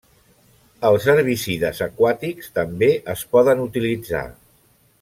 Els herbicides aquàtics també es poden utilitzar.